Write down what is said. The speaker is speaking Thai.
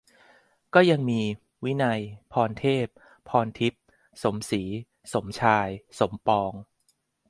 ก็ยังมี วินัย พรเทพ พรทิพย์ สมศรี สมชาย สมปอง